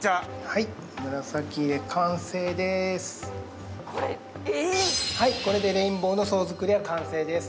はいこれでレインボーの層作りは完成です